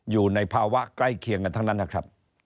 อยู่ในภาวะใกล้เคียงกันทั้งนั้นนะครับ